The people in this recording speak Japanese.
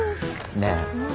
ねえ。